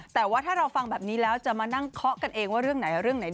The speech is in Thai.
แต่ว่าถ้าเราฟังแบบนี้แล้วจะมานั่งเคาะกันเองว่าเรื่องไหนเรื่องไหน